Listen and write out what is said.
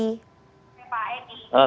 selamat sore pak edi